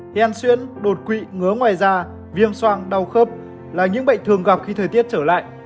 hèn xuyễn đột quỵ ngứa ngoài da viêm soang đau khớp là những bệnh thường gặp khi thời tiết trở lại